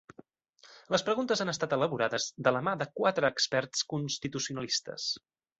Les preguntes han estat elaborades de la mà de quatre experts constitucionalistes.